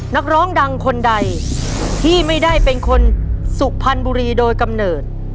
นักร้องดังคนใดที่ไม่ได้เป็นคนสุพรรณบุรีโดยกำเนิด